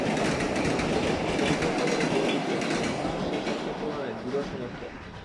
যুক্তরাষ্ট্র বন্ধু হতে পেরে গর্বিত এবং তাঁর সেই স্বপ্নপূরণে দৃঢ় সমর্থক।